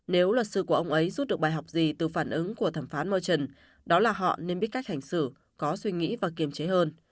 một lần đáp ứng của thẩm phán murchin đó là họ nên biết cách hành xử có suy nghĩ và kiềm chế hơn